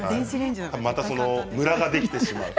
またムラができてしまう。